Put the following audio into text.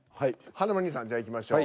華丸兄さんじゃあいきましょう。